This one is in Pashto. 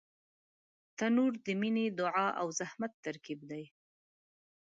تنور د مینې، دعا او زحمت ترکیب دی